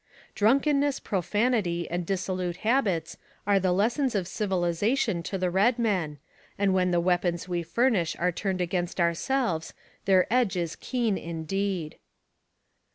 Drunkenness, profanity, and dissolute habits are the lessons of civilization to the red men, and when the weapons we furnish are turned against ourselves, their edge is keen indeed.